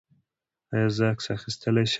ایا زه عکس اخیستلی شم؟